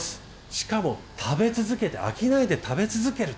しかも食べ続けて飽きないで食べ続ける。